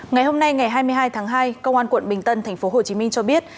ngày hôm nay ngày hai mươi hai tháng hai công an quận bình tân tp hcm cho biết